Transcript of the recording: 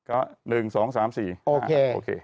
โอเค